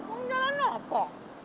uang jalan apa